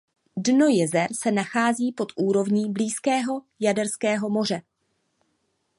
Dno jezer se nachází pod úrovní blízkého jaderského moře.